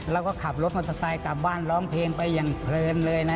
แล้วก็ขับรถมอเตอร์ไซค์กลับบ้านร้องเพลงไปอย่างเพลินเลยนะ